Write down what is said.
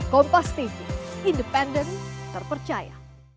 kompas tv independen terpercaya